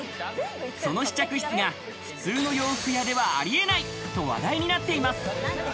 その試着室が普通の洋服屋ではありえないと話題になっています。